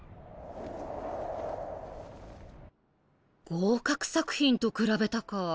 合格作品と比べたか。